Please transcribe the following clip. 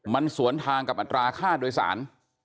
มันสวนทางกับอัตราค่าโดยสาร